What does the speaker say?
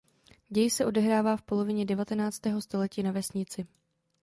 Děj se odehrává v polovině devatenáctého století na vesnici.